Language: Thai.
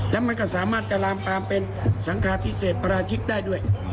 และมันก็สามารถจะลามปามเป็นสังคาพิเศษประราชิกได้ด้วย